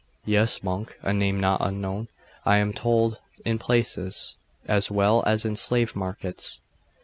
'Yes, monk; a name not unknown, I am told, in palaces as well as in slave markets.